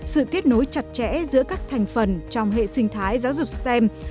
sự kết nối chặt chẽ giữa các thành phần trong hệ sinh thái giáo dục stem